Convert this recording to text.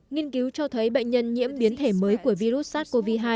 nghiên cứu cho thấy bệnh nhân nhiễm biến thể mới của virus sars cov hai